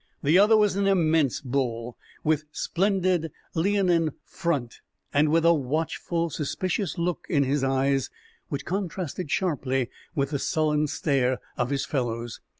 The other was an immense bull, with splendid leonine front and with a watchful, suspicious look in his eyes which contrasted sharply with the sullen stare of his fellows.